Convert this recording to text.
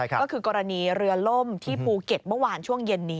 ก็คือกรณีเรือล่มที่ภูเก็ตเมื่อวานช่วงเย็นนี้